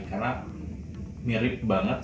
karena mirip banget